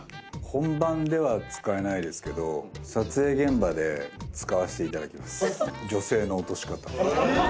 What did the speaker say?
本番では使えないですけど撮影現場で使わせていただきます。